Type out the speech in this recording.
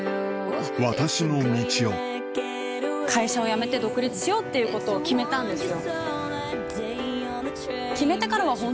私の道を会社を辞めて独立しようっていうことを決めたんですよ。